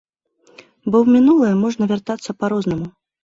Бо ў мінулае можна вяртацца па-рознаму.